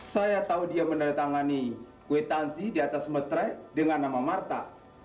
saya tahu dia menandatangani kuitansi di atas metre dengan nama marta